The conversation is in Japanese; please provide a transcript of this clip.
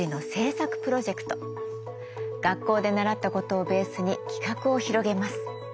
学校で習ったことをベースに企画を広げます。